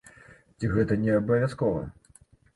Ці гэта не абавязкова?